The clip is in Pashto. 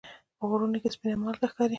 په غرونو کې سپینه مالګه ښکاري.